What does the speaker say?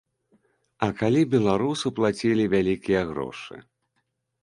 А калі беларусу плацілі вялікія грошы?